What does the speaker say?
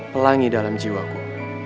pelangi dalam jiwaku